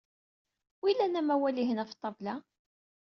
Wilan amawal-ihin ɣef ṭṭabla?